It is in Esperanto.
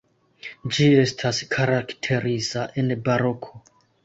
Ĝi estas karakteriza en baroko.